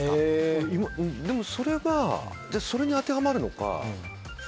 でも、それに当てはまるのか。